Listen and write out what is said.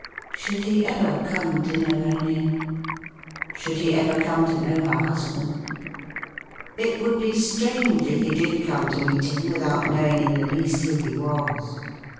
Should he ever come to know her name ? Should he ever come to know her husband ? It would be strange if he did come to meet him without knowing in the least who he was.